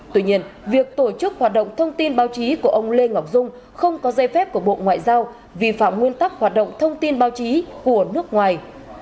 tuy nhiên việc tổ chức hoạt động thông tin báo chí của ông lê ngọc dung không có dây phép của bộ ngoại giao vi phạm nguyên tắc hoạt động thông tin báo chí của nước ngoài